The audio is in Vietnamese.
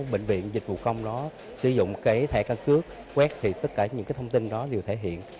bệnh viện dịch vụ công đó sử dụng cái thẻ căn cước web thì tất cả những cái thông tin đó đều thể hiện